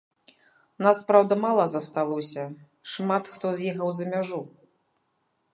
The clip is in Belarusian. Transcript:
Нас, праўда, мала засталося, шмат хто з'ехаў за мяжу.